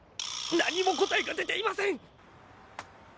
何も答えが出ていません！